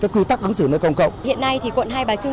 quy tắc ứng xử nơi công cộng hiện nay thì quận hai bà trưng